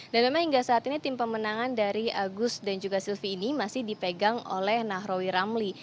dan memang hingga saat ini tim pemenangan dari agus dan juga silvi ini masih dipegang oleh nahrawi ramli